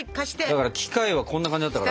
だから機械はこんな感じだったから。